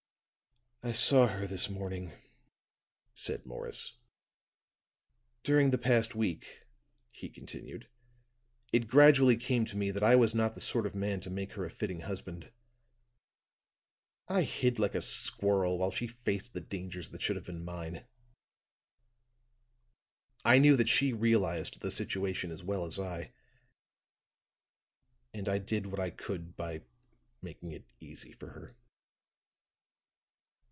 "I saw her this morning," said Morris. "During the past week," he continued, "it gradually came to me that I was not the sort of man to make her a fitting husband. I hid like a squirrel while she faced the dangers that should have been mine. I knew that she realized the situation as well as I, and I did what I could by making it easy for her."